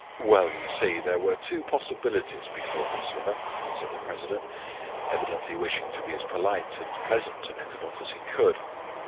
"Well, you see, there were two possibilities before Maslova," said the president, evidently wishing to be as polite and pleasant to Nekhludoff as he could.